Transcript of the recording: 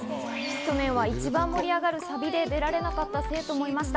去年は一番盛り上がるサビで出られなかった生徒もいました。